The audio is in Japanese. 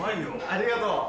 ありがとう！